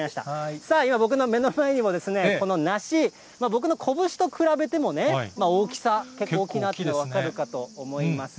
さあ、今、僕の目の前にも、この梨、僕の拳と比べてもね、大きさ、結構大きくなってるのが分かると思います。